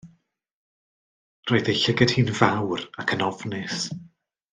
Roedden ei llygaid hi'n fawr ac yn ofnus.